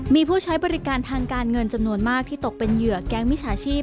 มีผู้ใช้บริการทางการเงินจำนวนมากที่ตกเป็นเหยื่อแก๊งมิจฉาชีพ